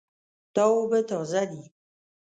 دا اوبه تازه دي